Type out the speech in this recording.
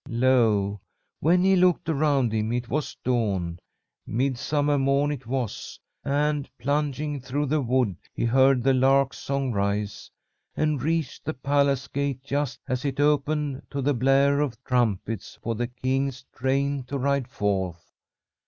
"Lo, when he looked around him it was dawn. Midsummer morn it was, and, plunging through the wood, he heard the lark's song rise, and reached the palace gate just as it opened to the blare of trumpets for the king's train to ride forth.